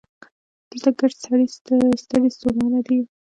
دلته ګړد ستړي ستومانه دي